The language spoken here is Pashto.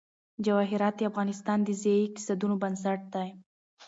جواهرات د افغانستان د ځایي اقتصادونو بنسټ دی.